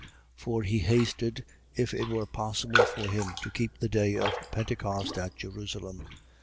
For he hasted. if it were possible for him, to keep the day of Pentecost at Jerusalem.